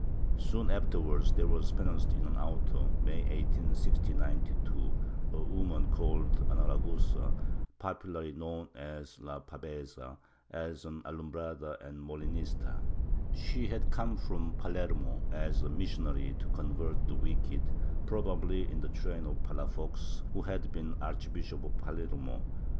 ^ Soon afterwards there v/as penanced in an auto. May 18, 1692, a woman named Ana Raguza, popularly known as la pabeza, as an Alumbrada and Molinista. She had come from Palermo as a missionary to convert the wicked, probably in the train of Palafox, who had been Archbishop of Palermo.